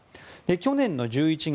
去年の１１月